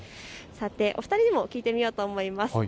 さて、お二人にも聞いてみようと思います。